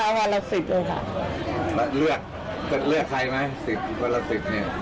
แล้วเลือกเลือกใครไหมสิบวันละสิบเนี่ย